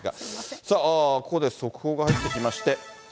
さあ、ここで速報が入ってきまして。